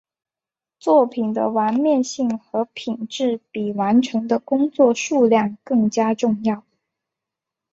作品的完面性和品质比完成的工作数量更加重要。